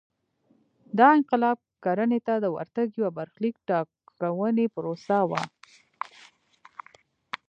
دا انقلاب کرنې ته د ورتګ یوه برخلیک ټاکونکې پروسه وه